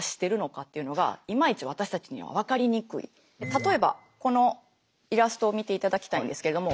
例えばこのイラストを見ていただきたいんですけれども。